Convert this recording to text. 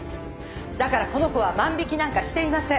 だからこの子は万引きなんかしていません。